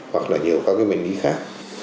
hoặc là nhiều các cái bệnh lý khác